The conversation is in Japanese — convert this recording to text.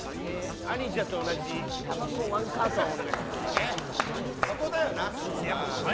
兄じゃと同じたばこ１カートンお願いします。